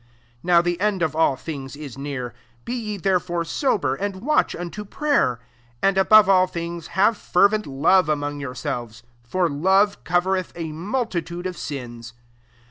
7 NOW the end of all tBings is near : be ye therefore sob^, and watch unto prayer. 8 And above all things have ferveot love among yourselves : for Iotc covereth a multitude of sins.